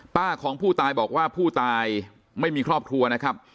ของผู้ตายบอกว่าผู้ตายไม่มีครอบครัวนะครับ